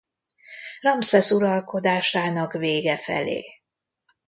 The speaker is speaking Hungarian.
Ramszesz uralkodásának vége felé.